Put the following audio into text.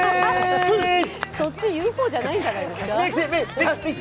そっち言う方じゃないんじゃないですか？